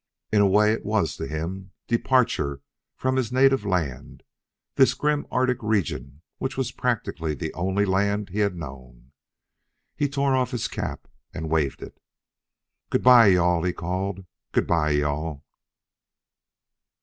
In a way, it was to him departure from his native land, this grim Arctic region which was practically the only land he had known. He tore off his cap and waved it. "Good by, you all!" he called. "Good by, you all!"